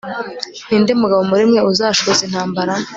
ni nde mugabo muri mwe uzashoza intambara